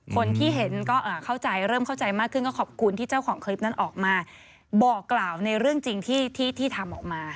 คนที่เห็นก็เข้าใจเริ่มเข้าใจมากขึ้นก็ขอบคุณที่เจ้าของคลิปนั้นออกมาบอกกล่าวในเรื่องจริงที่ทำออกมา